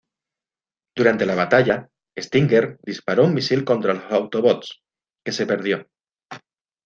Durante la batalla, Stinger disparó un misil contra los Autobots, que se perdió.